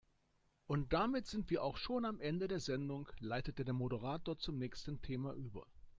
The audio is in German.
"Und damit sind wir auch schon am Ende der Sendung", leitete der Moderator zum nächsten Thema über.